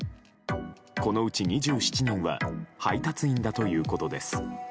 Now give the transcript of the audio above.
このうち２７人は配達員だということです。